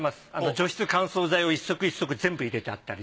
除湿・乾燥剤を１足１足全部入れてあったり。